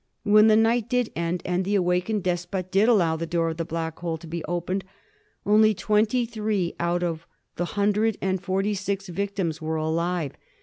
When the night did end and the awakened despot did allow the door of the Blackhole to be opened, only twen ty three out of the hundred and forty six victims were alive.